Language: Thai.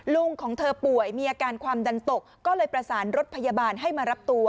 ของเธอป่วยมีอาการความดันตกก็เลยประสานรถพยาบาลให้มารับตัว